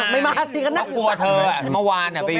ไม่มาสิก็นั่น